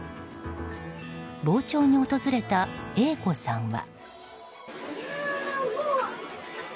傍聴に訪れたＡ子さんは。